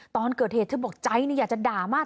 ตอนเกิดเหตุเธอบอกใจอยากจะด่ามาก